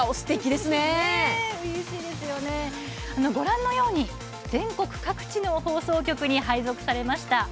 ご覧のように全国各地の放送局に配属されました。